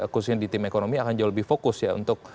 khususnya di tim ekonomi akan jauh lebih fokus ya untuk